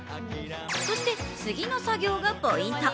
そして次の作業がポイント。